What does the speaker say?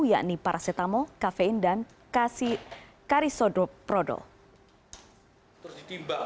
yakni paracetamol kafein dan karsisodoprodol